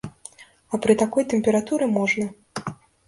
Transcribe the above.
А пры такой тэмпературы можна.